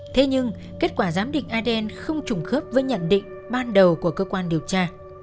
thế nhưng kết quả giám định adn không trùng khớp với nhận định ban đầu của cơ quan điều tra